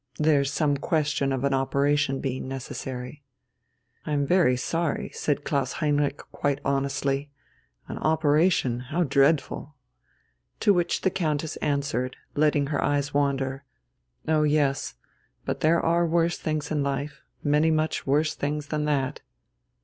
There's some question of an operation being necessary." "I am very sorry," said Klaus Heinrich quite honestly. "An operation? How dreadful!" To which the Countess answered, letting her eyes wander: "Oh yes. But there are worse things in life many much worse things than that."